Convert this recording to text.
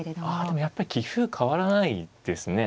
でもやっぱり棋風変わらないですね。